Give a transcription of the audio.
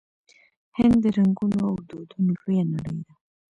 هند د رنګونو او دودونو لویه نړۍ ده.